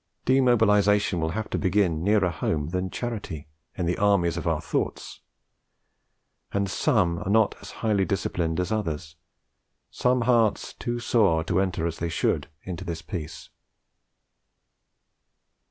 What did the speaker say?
Demobilisation will have to begin nearer home than charity, in the armies of our thoughts; and some are not as highly disciplined as others, some hearts too sore to enter as they would into this Peace.